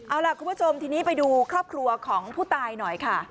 เอาล่ะคุณผู้ชมทีนี้ไปดูครอบครัวของผู้ตายหน่อยค่ะ